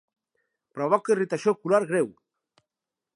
Provoca irritació ocular greu.